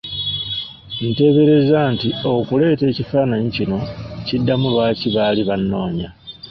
Nteebereza nti okuleeta ekifaananyi kino kiddamu lwaki baali bannoonya.